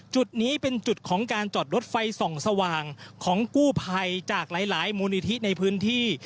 จุดนี้เป็นจุดของการจอดรถไฟส่องสว่างของกู้ภัยจากหลายมูลนิธิในพื้นที่